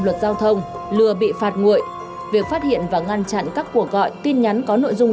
là lách ai người ấy đi